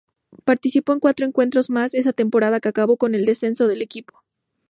Participó en cuatro encuentros más esa temporada, que acabó con el descenso del equipo.